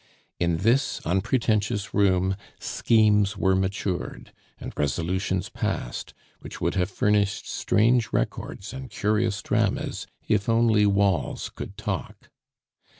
In this unpretentious room schemes were matured, and resolutions passed, which would have furnished strange records and curious dramas if only walls could talk.